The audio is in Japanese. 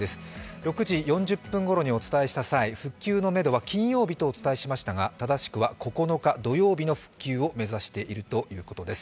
６時４０分ごろにお伝えした際、復旧のめどは金曜日とお伝えしましたが、正しくは９日土曜日の復旧を目指しているということです。